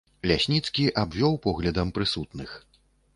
Лясніцкі абвёў поглядам прысутных.